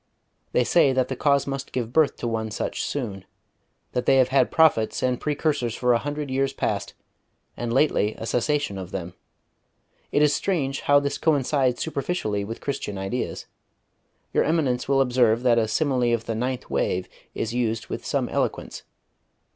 They say that the cause must give birth to one such soon; that they have had prophets and precursors for a hundred years past, and lately a cessation of them. It is strange how this coincides superficially with Christian ideas. Your Eminence will observe that a simile of the 'ninth wave' is used with some eloquence....